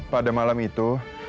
pada malam itu